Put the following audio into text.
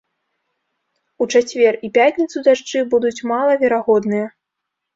У чацвер і пятніцу дажджы будуць малаверагодныя.